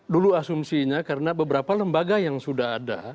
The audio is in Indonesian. dulu asumsinya karena beberapa lembaga yang sudah ada